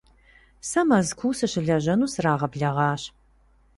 Сэ Мэзкуу сыщылэжьэну срагъэблэгъащ.